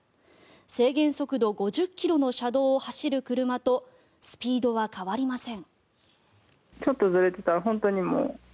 制限速度５０ｋｍの車道を走る車とスピードは変わりません。